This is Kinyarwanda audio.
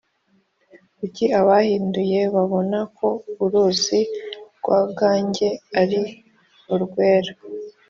kuki abahindu babona ko uruzi rwa gange ari urwera?